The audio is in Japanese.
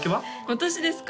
私ですか